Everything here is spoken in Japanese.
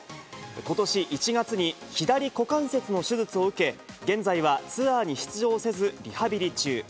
ことし１月に左股関節の手術を受け、現在はツアーに出場せず、リハビリ中。